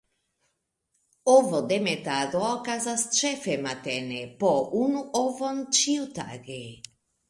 Ovodemetado okazas ĉefe matene, po unu ovon ĉiutage.